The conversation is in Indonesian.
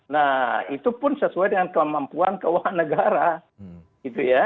nah itu pun sesuai dengan kemampuan keuangan negara gitu ya